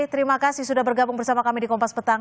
terima kasih sudah bergabung bersama kami di kompas petang